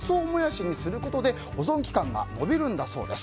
このように乾燥モヤシにすることで保存期間が延びるんだそうです。